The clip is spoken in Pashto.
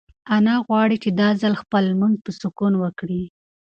انا غواړي چې دا ځل خپل لمونځ په سکون وکړي.